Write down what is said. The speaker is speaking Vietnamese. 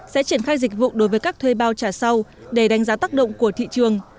sẽ triển khai dịch vụ đối với các thuê bao trả sau để đánh giá tác động của thị trường